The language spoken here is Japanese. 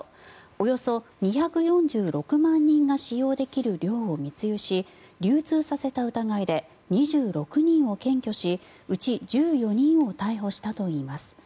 およそ２４６万人が使用できる量を密輸し流通させた疑いで２６人を検挙しうち１４人を逮捕したといいます。